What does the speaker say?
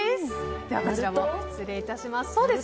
では、こちらも失礼いたします。